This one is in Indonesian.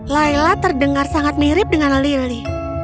layla terdengar sangat mirip dengan lili